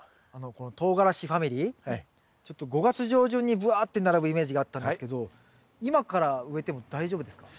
このとうがらしファミリーちょっと５月上旬にぶわって並ぶイメージがあったんですけど今から植えても大丈夫ですか？